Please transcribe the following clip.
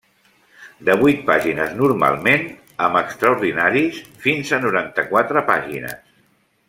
De vuit pàgines, normalment, amb extraordinaris fins a noranta-quatre pàgines.